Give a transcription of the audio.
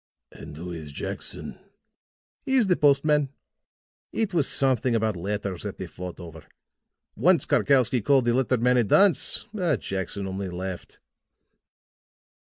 "And who is Jackson?" "He is the postman. It was something about letters that they fought over. Once Karkowsky called the letter man a dunce. But Jackson only laughed."